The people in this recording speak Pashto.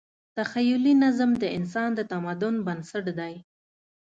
تخیلي نظم د انسان د تمدن بنسټ دی.